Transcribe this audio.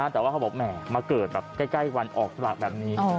แต่ว่าเขาบอกแหมมาเกิดแบบใกล้วันออกสลากแบบนี้